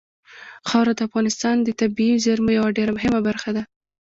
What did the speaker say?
خاوره د افغانستان د طبیعي زیرمو یوه ډېره مهمه برخه ده.